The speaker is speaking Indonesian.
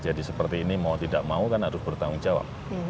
jadi seperti ini mau tidak mau kan harus bertanggung jawab